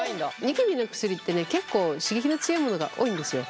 ニキビの薬ってね結構刺激の強いものが多いんですよ。